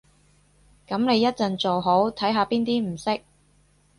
噉你一陣做好，睇下邊啲唔識